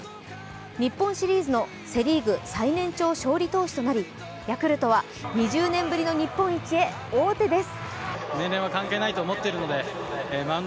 日本シリーズのセ・リーグ最年長勝利投手となり、ヤクルトは２０年ぶりの日本一へ王手です。